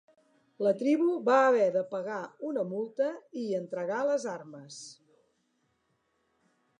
La tribu va haver de pagar una multa i entregar les armes.